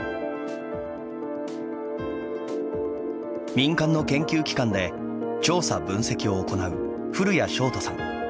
民間の研究機関で調査・分析を行う古屋星斗さん。